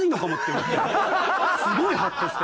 すごいハッとして。